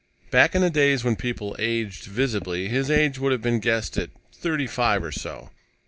Back in the days when people aged visibly, his age would have been guessed at thirty five or so.